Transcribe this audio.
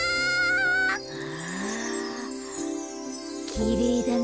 きれいだね。